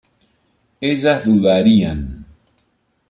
ellas dudarían